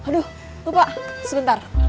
aduh lupa sebentar